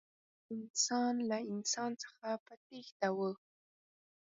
انسان له انسان څخه په تېښته و.